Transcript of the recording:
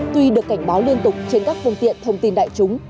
tuy được cảnh báo liên tục trên các phương tiện thông tin đại chúng